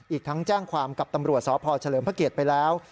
อีกทั้งแจ้งความกับตำรวจสพเฉลิมพระเกียรติไปแล้ว